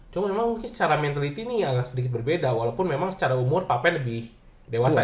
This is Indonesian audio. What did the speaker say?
cuma memang mungkin secara mentality ini agak sedikit berbeda walaupun memang secara umur papan lebih dewasa ya